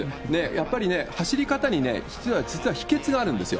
やっぱりね、走り方にね、実は秘けつがあるんですよ。